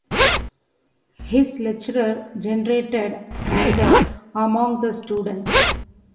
His lecture generated anger among the students.